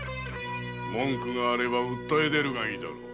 文句があれば訴え出ればいいだろう。